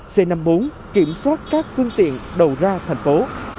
c năm mươi bốn kiểm soát các phương tiện đầu ra thành phố